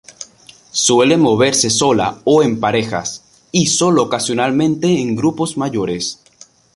Suele moverse sola o en parejas, y solo ocasionalmente en grupos mayores.